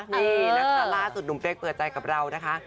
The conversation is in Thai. นี่นะคะล่าสุดหนุ่มเป๊กเปิดใจกับเรานะคะ